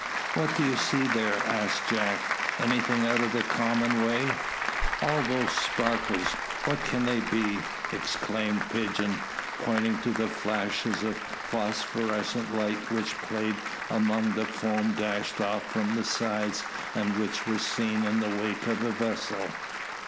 "What do you see there?" asked Jack. "Anything out of the common way?" "All those sparkles, what can they be?" exclaimed Pigeon, pointing to the flashes of phosphorescent light which played among the foam dashed off from the sides, and which were seen in the wake of the vessel.